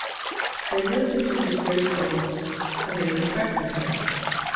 They listened to his great oaths and they respected him.